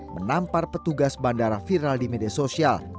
menampar petugas bandara viral di media sosial